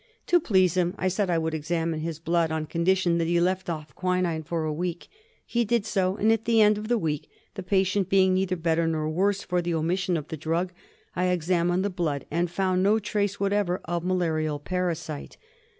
To please him I said I would examine his blood on condition that he left off quinine for a week. He did so, and at the end of the week the patient being neither better nor worse for the omission of the drug, I examined the blood and found no trace whatever of malarial parasite.